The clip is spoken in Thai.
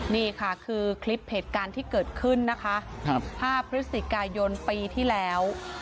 นี่ค่ะคือคลิปเหตุการณ์ที่เกิดขึ้นนะคะ๕พฤศจิกายนปีที่แล้ว